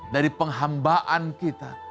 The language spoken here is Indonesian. dari penghambaan kita